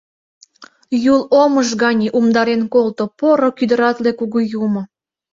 Юл омыж гане умдарен колто, поро кӱдыратле кугу юмо.